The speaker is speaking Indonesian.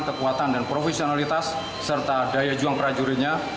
kekuatan dan profesionalitas serta daya juang prajuritnya